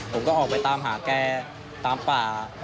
ผมก็ออกไปตามหาแกตามป่า